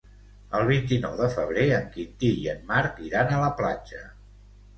El vint-i-nou de febrer en Quintí i en Marc iran a la platja.